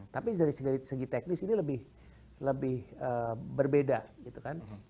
tapi dari segi teknis ini lebih berbeda gitu kan